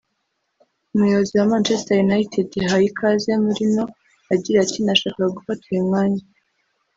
Umuyobozi wa Manchester United yahaye ikaze Mourinho agira ati “Nashakaga gufata uyu mwanya